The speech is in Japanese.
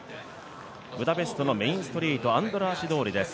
ブダペストのメインストリート・アンドラーシ通りです。